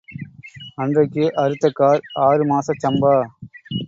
அன்றைக்கு அறுத்த கார் ஆறு மாசச் சம்பா.